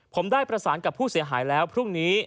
ผมได้ประสานกับผู้เสียหายแล้วพรุ่งนี้